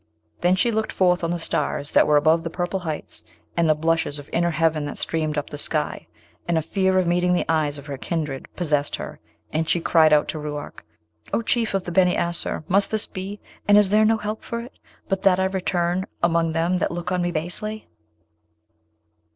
Then she looked forth on the stars that were above the purple heights, and the blushes of inner heaven that streamed up the sky, and a fear of meeting the eyes of her kindred possessed her, and she cried out to Ruark, 'O Chief of the Beni Asser, must this be? and is there no help for it, but that I return among them that look on me basely?'